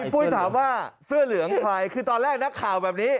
ปุ้ยถามว่าเสื้อเหลืองใครคือตอนแรกนักข่าวแบบนี้